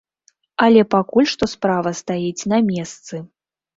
Але пакуль што справа стаіць на месцы.